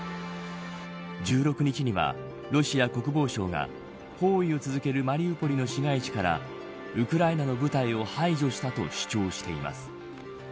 １６日には、ロシア国防省が包囲を続けるマリウポリの市街地からウクライナの部隊を排除したと主張しています。